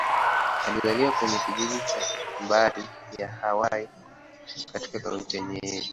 Alizaliwa kwenye kijiji cha Mbari-ya-Hwai, katika Kaunti ya Nyeri.